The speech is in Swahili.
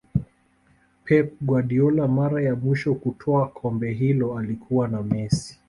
pep Guardiola mara ya mwisho kutwaa kombe hilo alikuwa na messi